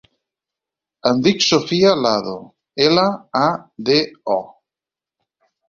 Em dic Sophia Lado: ela, a, de, o.